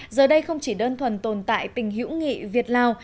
giờ đây không chỉ đơn thuần tồn tại tình hữu nghị việt lào